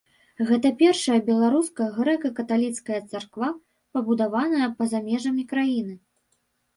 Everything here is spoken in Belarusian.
Гэта першая беларуская грэка-каталіцкая царква, пабудаваная па-за межамі краіны.